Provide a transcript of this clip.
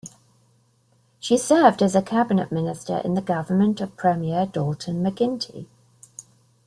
She served as a cabinet minister in the government of Premier Dalton McGuinty.